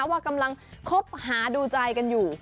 ว่ากำลังคบหาดูใจกันอยู่